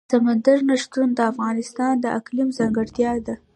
سمندر نه شتون د افغانستان د اقلیم ځانګړتیا ده.